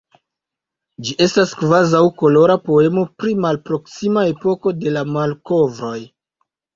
Ĝi estas kvazaŭ kolora poemo pri malproksima epoko de la malkovroj.